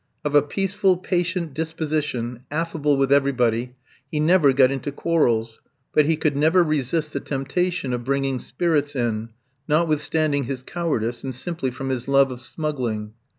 Of a peaceful, patient disposition, affable with everybody, he never got into quarrels; but he could never resist the temptation of bringing spirits in, notwithstanding his cowardice, and simply from his love of smuggling.